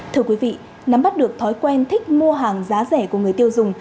thưa quý vị nắm bắt được thói quen thích mua hàng giá rẻ của người tiêu dùng